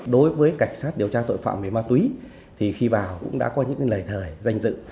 đối với cảnh sát điều tra tội phạm về ma túy thì khi vào cũng đã có những lời thời danh dự